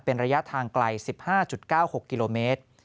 เป็นระยะทางไกล๑๕๙๖กิโลเมตร